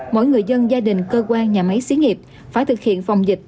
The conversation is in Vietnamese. mỗi người dân gia đình cơ quan nhà máy xí nghiệp phải thực hiện phòng dịch